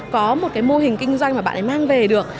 có một cái mô hình kinh doanh mà bạn ấy mang về được